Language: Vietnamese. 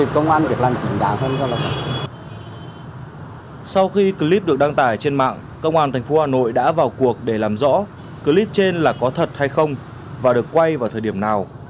các clip được đăng tải trên mạng công an thành phố hà nội đã vào cuộc để làm rõ clip trên là có thật hay không và được quay vào thời điểm nào